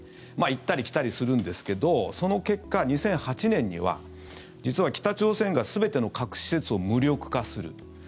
行ったり来たりするんですけどその結果、２００８年には実は北朝鮮が全ての核施設を無力化する。